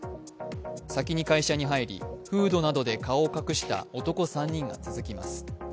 先に会社に入りフードなどで顔を隠した男３人が続きます。